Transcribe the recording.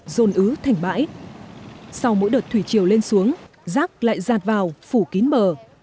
rôn ứ thành bãi sau mỗi đợt thủy chiều lên xuống rác lại giạt vào phủ kín mờ